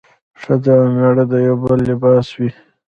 ښځه او مېړه د يو بل لباس وي